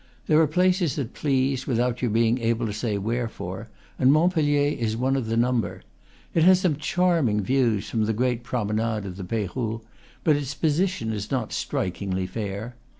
There are places that please, without your being able to say wherefore, and Montpellier is one of the num ber. It has some charming views, from the great pro menade of the Peyrou; but its position is not strikingly fair.